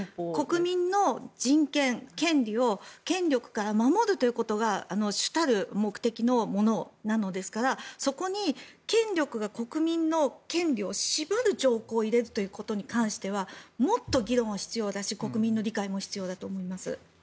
国民の人権、権利を権力から守るということが主たる目的のものなのですからそこに権力が国民の権利を縛る条項を入れるということに関してはもっと議論が必要だし国民の理解も必要だと思います。